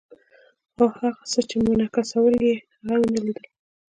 خو هغه څه چې منعکسول یې، هغه مې نه لیدل.